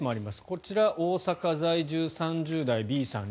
こちら、大阪在住３０代、Ｂさん。